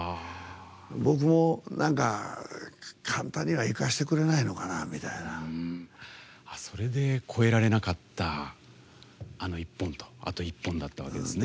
僕も、簡単にはいかせてくれないのかみたいな。それで超えられなかったあと１本だったわけですね。